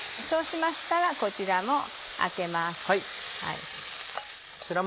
そうしましたらこちらもあけます。